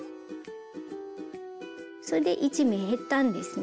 それで１目減ったんですね。